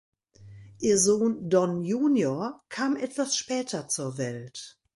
Ihr Sohn Don Junior kam etwas später zur Welt.